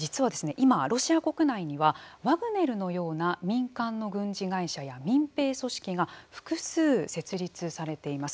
今ロシア国内にはワグネルのような民間の軍事会社や民兵組織が複数設立されています。